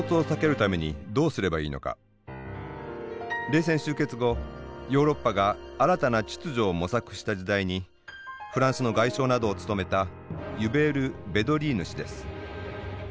冷戦終結後ヨーロッパが新たな秩序を模索した時代にフランスの外相などを務めたユベール・ヴェドリーヌ氏です。